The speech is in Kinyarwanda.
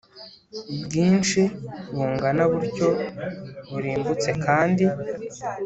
Bwinshi bungana butyo burimbutse kandi